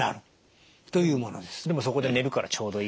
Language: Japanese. でもそこで寝るからちょうどいい？